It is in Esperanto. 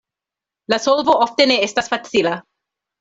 La solvo ofte ne estas facila.